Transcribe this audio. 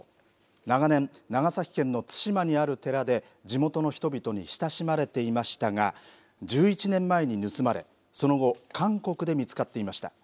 長年、長崎県の対馬にある寺で地元の人々に親しまれていましたが１１年前に盗まれその後韓国で見つかっていました。